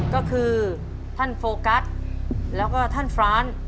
ก็คือท่านโฟกัสแล้วก็ท่านฟราน